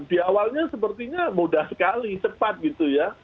di awalnya sepertinya mudah sekali cepat gitu ya